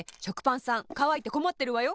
かわいてこまってるわよ。